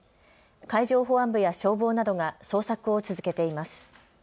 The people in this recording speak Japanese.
海上保安部や消防などが捜索を続けています。